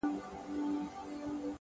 صبر د بریا د پخېدو وخت ساتي,